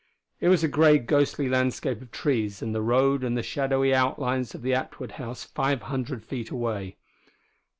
It was a grey, ghostly landscape of trees and the road and the shadowy outlines of the Atwood house five hundred feet away.